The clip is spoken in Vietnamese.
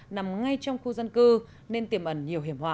nằm ngay trong khu dân cư nên tiềm ẩn nhiều hiểm hòa